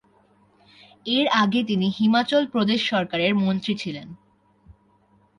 এর আগে তিনি হিমাচল প্রদেশ সরকারের মন্ত্রী ছিলেন।